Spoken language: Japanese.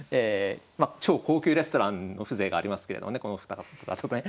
まあ超高級レストランの風情がありますけれどもねこのお二方だとね。